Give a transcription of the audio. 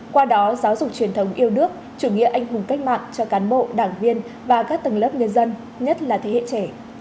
qua đó giáo dục truyền thống yêu nước chủ nghĩa anh hùng cách mạng cho cán bộ đảng viên và các tầng lớp nhân dân nhất là thế hệ trẻ